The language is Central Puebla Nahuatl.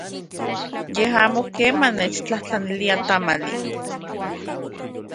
Ye amo keman nechtlajtlanilia tamali.